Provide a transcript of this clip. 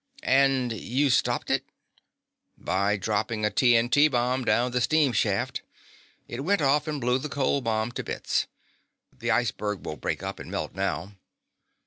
"And you stopped it " "By dropping a T. N. T. bomb down the steam shaft. It went off and blew the cold bomb to bits. The iceberg will break up and melt now."